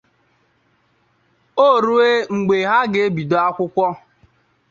O rue mgbe ha ga-ebido akwụkwọ